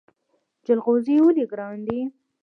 جلغوزي ولې ګران دي؟